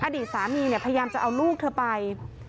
อดีตสามีเนี่ยพยายามจะเอาลูกเธอไป